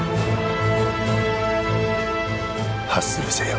「ハッスルせよ」。